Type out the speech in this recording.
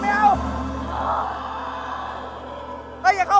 ไปไอ้มายอยู่ออกชีวิตให้ไว้